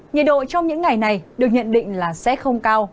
nhiệt độ trong những ngày này được nhận định là sẽ không cao